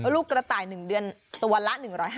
ลูกกระต่าย๑เดือนตัวละ๑๕๐